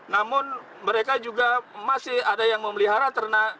namun mereka juga masih ada yang memelihara